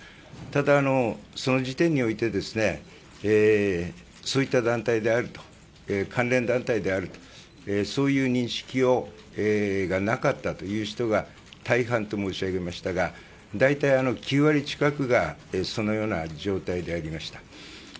ただその時点においてですね関連団体であるとそういう認識がなかったという人が大半と申し上げましたが大体、９割近くがそのような状態でありました。